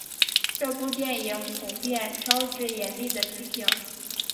这部电影普遍招致严厉的批评。